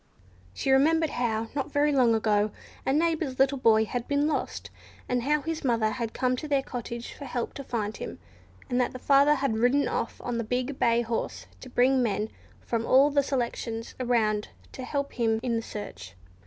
She remembered how, not very long ago, a neighbour's little boy had been lost, and how his mother had come to their cottage for help to find him, and that her father had ridden off on the big bay horse to bring men from all the selections around to help in the search.